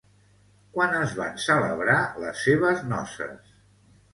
Quan es van celebrar les seves noces?